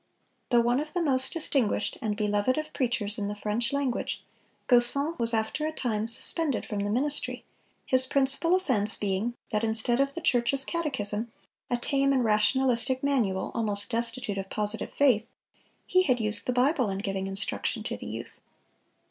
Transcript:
Though one of the most distinguished and beloved of preachers in the French language, Gaussen was after a time suspended from the ministry, his principal offense being that instead of the church's catechism, a tame and rationalistic manual, almost destitute of positive faith, he had used the Bible in giving instruction to the youth.